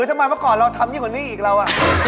ทำไมเมื่อก่อนเราทำยิ่งกว่านี้อีกเรา